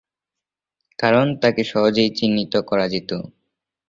কারণ, তাকে সহজেই চিহ্নিত করা যেত।